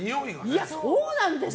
そうなんですよ！